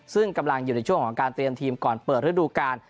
ซึ่งกำลังอยู่ในช่วงของการเตรียมทีมก่อนเปิดฤดูการ